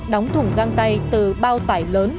đóng thùng găng tay từ bao tải lớn